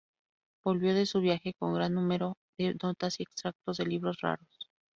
Volvió de su viaje con gran número de notas y extractos de libros raros.